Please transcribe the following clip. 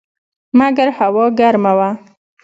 مګر هوا ګرمه وه.